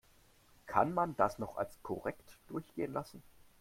Kann man das noch als korrekt durchgehen lassen?